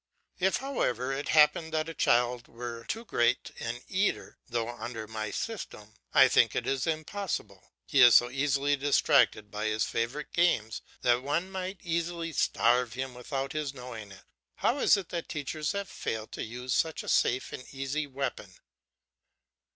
If, however, it happened that a child were too great an eater, though, under my system, I think it is impossible, he is so easily distracted by his favourite games that one might easily starve him without his knowing it. How is it that teachers have failed to use such a safe and easy weapon.